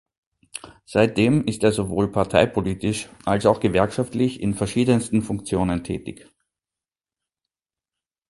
Seitdem ist er sowohl parteipolitisch als auch gewerkschaftlich in verschiedensten Funktionen tätig.